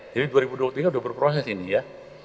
jadi dua ribu dua puluh tiga sudah berproses ini ya